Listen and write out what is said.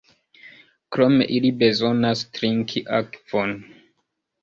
Krome ili bezonas trinki akvon.